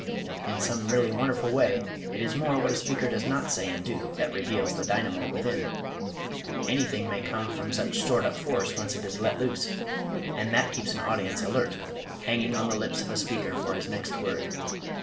In some really wonderful way it is more what a speaker does not say and do that reveals the dynamo within. Anything may come from such stored up force once it is let loose; and that keeps an audience alert, hanging on the lips of a speaker for his next word.